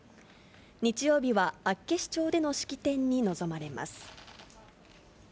日曜日は厚岸町での式典に臨まれます。